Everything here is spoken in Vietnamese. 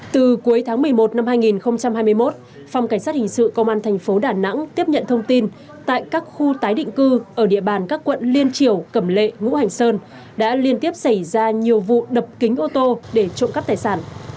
từ cuối tháng một mươi một năm hai nghìn hai mươi một phòng cảnh sát hình sự công an thành phố đà nẵng tiếp nhận thông tin tại các khu tái định cư ở địa bàn các quận liên triều cẩm lệ ngũ hành sơn đã liên tiếp xảy ra nhiều vụ đập kính ô tô để trộm cắp tài sản